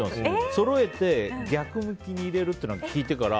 そろえて逆向きに入れるっていうのを聞いて。